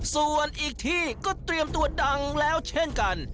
ส่วนอีกที่ก็เตรียมตัวดังแล้วเช่นกัน